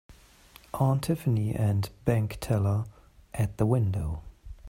Aunt Tiffany and bank teller at the window.